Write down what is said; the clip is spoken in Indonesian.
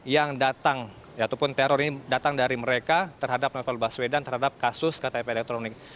yang datang ataupun teror ini datang dari mereka terhadap novel baswedan terhadap kasus ktp elektronik